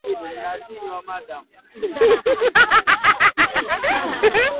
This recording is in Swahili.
Na baadhi ya vyombo vya habari vimeripoti kwamba anaongoza mashambulizi mapya